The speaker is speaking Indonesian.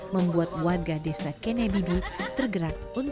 membuatnya menjadi kebiasaan